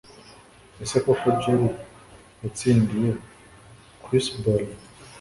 Ese koko Jerry yatsindiye chrisbola